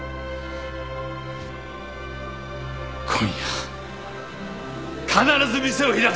今夜必ず店を開くぞ！